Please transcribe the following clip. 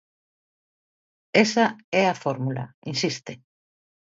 "Esa é a fórmula", insiste.